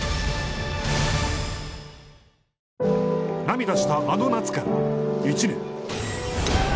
涙したあの夏から１年。